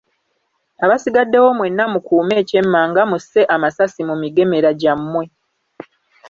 Abasigaddewo mmwenna mukuume ekyemmanga musse amasasi mu migemera gyammwe.